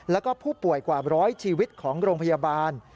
แล้วก็ผู้ป่วยกว่าร้อยชีวิตของโรงพยาบาล